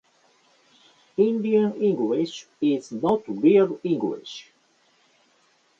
Indian English is not real English